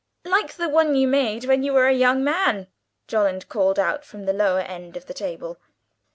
'" "Like the one you made when you were a young man?" Jolland called out from the lower end of the table.